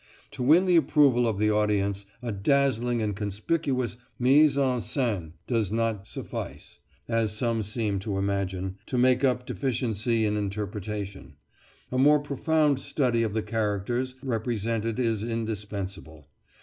To win the approval of the audience, a dazzling and conspicuous mise en scene does not suffice, as some seem to imagine, to make up deficiency in interpretation; a more profound study of the characters represented is indispensable.